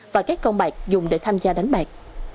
và các công bạc dùng để tham gia đánh bạc